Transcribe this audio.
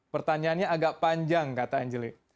pertanyaannya agak panjang kata angeli